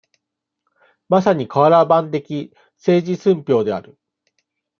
まさに、かわら版的政治寸評である。